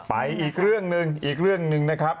อีกเรื่องหนึ่งอีกเรื่องหนึ่งนะครับ